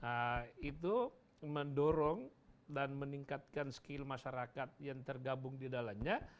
nah itu mendorong dan meningkatkan skill masyarakat yang tergabung di dalamnya